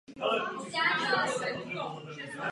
Významné funkce měla i na stranické úrovni.